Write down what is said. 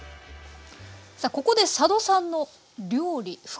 さあここで佐渡さんの料理深掘り